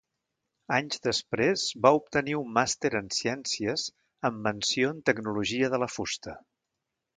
Anys després va obtenir un màster en Ciències amb menció en Tecnologia de la Fusta.